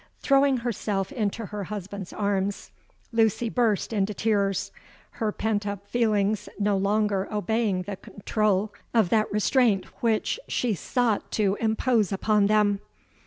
Throwing herself into her husband's arms, Lucy burst into tears—her pent up feelings no longer obeying the control of that restraint which she sought to impose upon them.